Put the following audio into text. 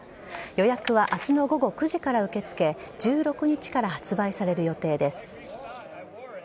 予約は明日の午後９時から受け付け１６日から発売される予定です。